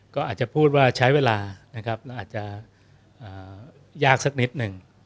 ก็อาจจะพูดว่าใช้เวลาอาจจะยากสักนิดหนึ่ง